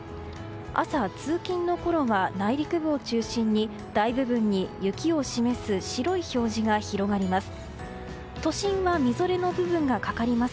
朝、通勤のころは内陸部を中心に大部分に雪を示す白い表示が広がります。